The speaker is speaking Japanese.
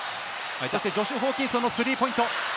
そしてジョシュ・ホーキンソンのスリーポイント。